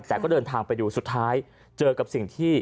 แต่ก็เดินทางไปดูสุดท้ายเจอกับสิ่งที่